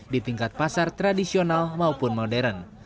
di tingkat pasar tradisional maupun modern